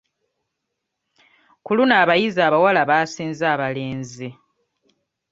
Ku luno abayizi abawala baasinze abalenzi.